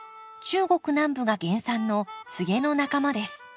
中国南部が原産のツゲの仲間です。